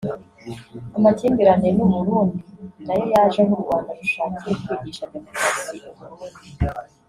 Amakimbirane n’u Burundi nayo yaje aho Urwanda rushakiye kwigisha demokarasi Uburundi